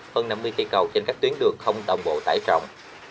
hơn năm mươi cây cầu trên các tuyến đường không đồng bộ tải trọng